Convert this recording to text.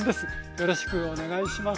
よろしくお願いします。